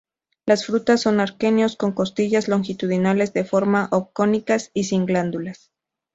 Las frutas son aquenios con costillas longitudinales de forma ob-cónicas y sin glándulas.